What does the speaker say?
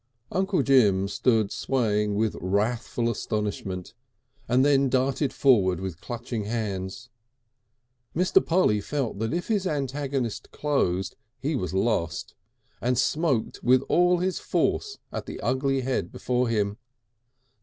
Uncle Jim stood swaying with wrathful astonishment and then darted forward with clutching hands. Mr. Polly felt that if his antagonist closed he was lost, and smote with all his force at the ugly head before him.